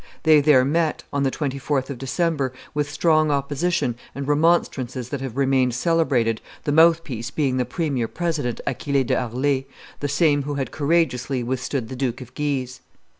They there met, on the 24th of December, with strong opposition and remonstrances that have remained celebrated, the mouthpiece being the premier president Achille de Harlay, the same who had courageously withstood the Duke of Guise.